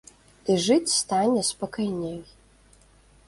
І жыць стане спакайней.